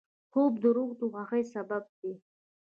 خوب د روح د خوښۍ سبب دی